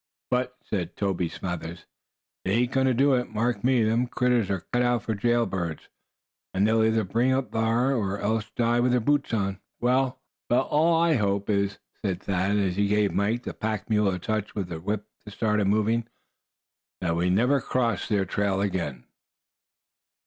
"But," said Toby Smathers, "they ain't goin' to do it, mark me. Them critters are cut out for jail birds, and they'll either bring up thar, or else die with their boots on." "Well, all I hope is," said Thad, as he gave Mike, the pack mule, a touch with the whip to start him moving, "that we never cross their trail again."